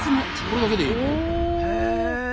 これだけでいいの？